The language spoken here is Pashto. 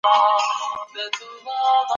که لمر راوخېژي مځکه به توده سي.